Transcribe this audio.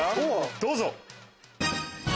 どうぞ！